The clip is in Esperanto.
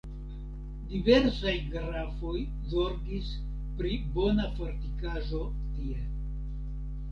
Diversaj grafoj zorgis pri bona fortikaĵo tie.